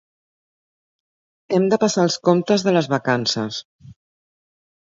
Hem de passar els comptes de les vacances